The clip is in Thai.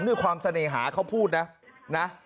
ด้วยความเสน่หาเขาพูดนะนะ